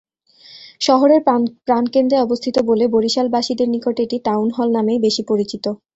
শহরের প্রাণকেন্দ্রে অবস্থিত বলে বরিশালবাসীদের নিকট এটি ‘টাউন হল’ নামেই বেশি পরিচিত।